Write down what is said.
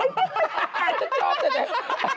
ฉันชอบจริต